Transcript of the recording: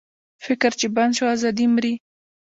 فکر چې بند شو، ازادي مري.